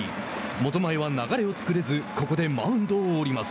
本前は流れを作れずここでマウンドを降ります。